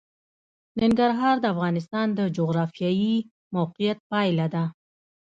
ننګرهار د افغانستان د جغرافیایي موقیعت پایله ده.